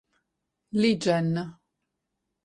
Li Gen